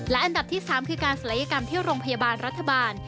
อันดับที่๓คือการศัลยกรรมที่โรงพยาบาลรัฐบาล